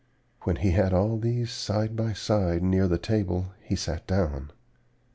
When he had all these side by side near the table, he sat down.